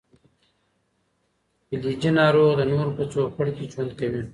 فلجي ناروغ د نورو په چوپړ کې ژوند کوي.